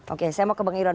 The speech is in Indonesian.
oke saya mau ke bang irwan